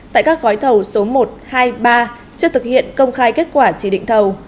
tại các gói thẩu số một hai ba chưa thực hiện công khai kết quả chỉ định thẩu